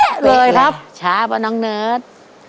ครอบครัวของแม่ปุ้ยจังหวัดสะแก้วนะครับ